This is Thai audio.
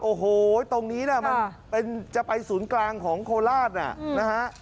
โอ้โหตรงนี้นะมันจะไปศูนย์กลางของโคราชนะฮะ